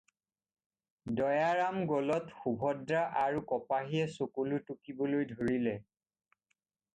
দয়াৰাম গ'লত সুভদ্ৰা আৰু কপাহীয়ে চকুলো টুকিবলৈ ধৰিলে।